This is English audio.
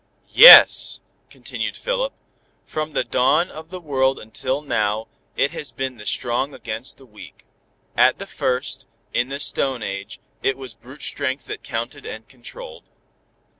"Yes!" continued Philip, "from the dawn of the world until now, it has been the strong against the weak. At the first, in the Stone Age, it was brute strength that counted and controlled.